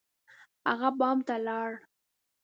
هغه بام ته لاړ.